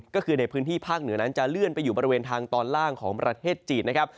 ก็คือในพื้นที่ภาคเหนือนั้นจะเลื่อนไปอยู่บริเวณทางตอนล่างของประเทศจีนนะครับ